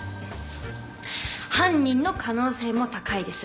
犯人の可能性も高いです。